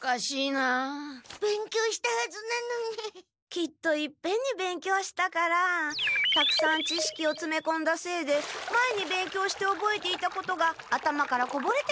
きっといっぺんに勉強したからたくさんちしきをつめこんだせいで前に勉強しておぼえていたことが頭からこぼれてしまったのかも。